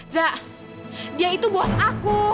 za dia itu bos aku